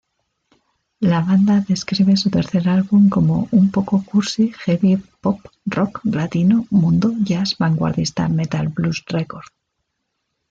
La banda describe su tercer álbum como "Un poco cursi heavy-pop-rock-latino-mundo-jazz-vanguardista-metal-blues-record".